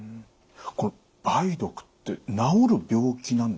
この梅毒って治る病気なんですか？